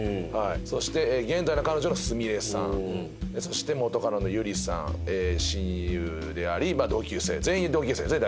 そして現在の彼女がスミレさんそして元カノのユリさん親友であり同級生全員同級生ですね